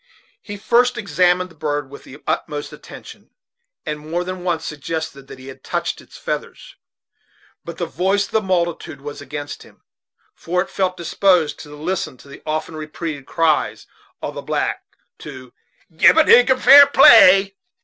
He first examined the bird with the utmost attention, and more than once suggested that he had touched its feathers; but the voice of the multitude was against him, for it felt disposed to listen to the often repeated cries of the black to "gib a nigger fair play."